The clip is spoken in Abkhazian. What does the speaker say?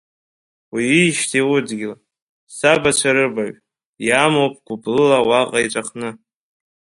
Уижьҭеи удгьыл, сабацәа рыбаҩ, иамоуп гәыблыла уаҟа иҵәахны.